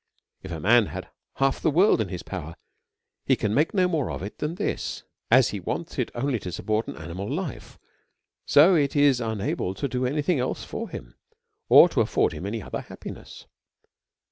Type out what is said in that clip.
If a man had half the world in his power, he can make no more of it than this ; as he wants it only to support an animal life, so it is unable to do any thing else for him, or to afford him any other happiness.